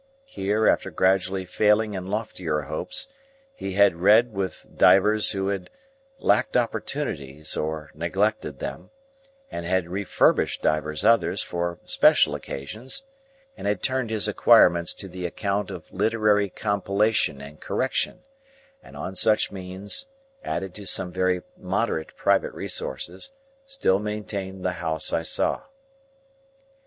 Here, after gradually failing in loftier hopes, he had "read" with divers who had lacked opportunities or neglected them, and had refurbished divers others for special occasions, and had turned his acquirements to the account of literary compilation and correction, and on such means, added to some very moderate private resources, still maintained the house I saw.